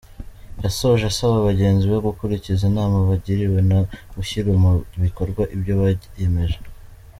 Yasoje asaba bagenzi be gukurikiza inama bagiriwe no gushyira mu bikorwa ibyo biyemeje.